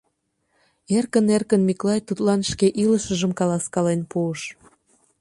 Эркын-эркын Миклай тудлан шке илышыжым каласкален пуыш.